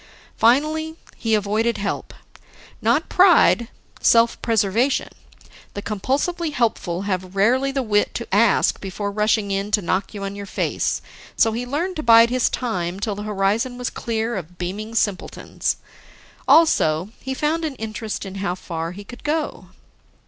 Finally, he avoided help. Not pride, self preservation; the compulsively helpful have rarely the wit to ask before rushing in to knock you on your face, so he learned to bide his time till the horizon was clear of beaming simpletons. Also, he found an interest in how far he could go.